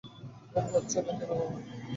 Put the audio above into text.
ঘুম হচ্ছে না কেন বাবা?